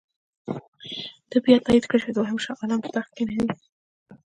ده بیا تایید کړه چې دوهم شاه عالم به پر تخت کښېنوي.